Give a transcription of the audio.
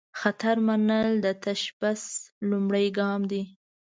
خطر منل، د تشبث لومړۍ ګام دی.